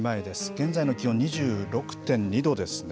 現在の気温２６．２度ですね。